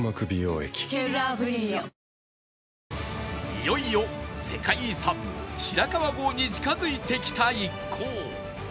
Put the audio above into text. いよいよ世界遺産白川郷に近づいてきた一行